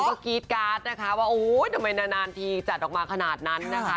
ก็กรี๊ดการ์ดนะคะว่าโอ้ยทำไมนานทีจัดออกมาขนาดนั้นนะคะ